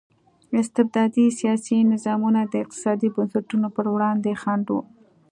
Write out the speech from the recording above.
استبدادي سیاسي نظامونه د اقتصادي بنسټونو پر وړاندې خنډ وو.